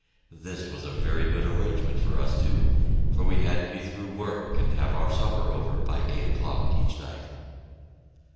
This was a very good arrangement for us, too, for we had to be through work and have our supper over by eight o'clock each night.